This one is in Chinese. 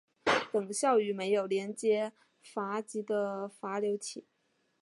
等效于没有连接闸极的闸流体。